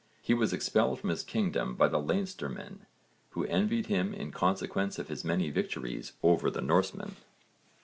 He was expelled from his kingdom by the Leinstermen, who envied him in consequence of his many victories over the Norsemen!